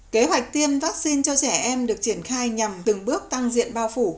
kế hoạch tiêm vaccine cho trẻ em được triển khai nhằm từng bước tăng diện bao phủ